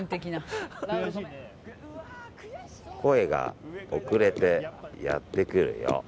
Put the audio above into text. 声が遅れてやってくるよ。